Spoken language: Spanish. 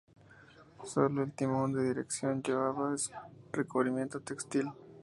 Sólo el timón de dirección llevaba recubrimiento textil.